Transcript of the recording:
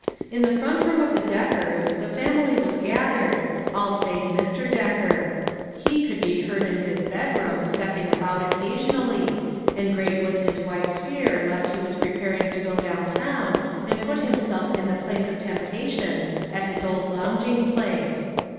In the front room of the Deckers, the family was gathered, all save Mr. Decker. He could be heard in his bedroom stepping about occasion ally, and great was his wife's fear lest he was preparing to go down town and put himself in the place of temptation at his old lounging place.